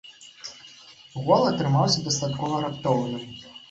Гол атрымаўся дастаткова раптоўным.